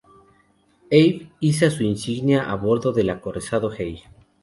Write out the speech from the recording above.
Abe iza su insignia a bordo del acorazado Hei.